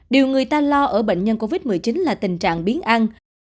điều người ta lo ở bệnh nhân covid một mươi chín là tình trạng biến ăn